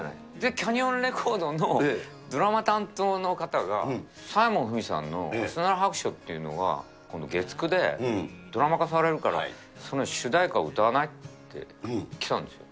キャニオンレコードのドラマ担当の方が、柴門ふみさんのあすなろ白書っていうのが月９でドラマ化されるから、その主題歌を歌わないってきたんですよ。